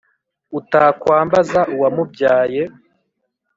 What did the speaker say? utakwambaza uwamubyaye